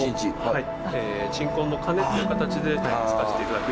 はい。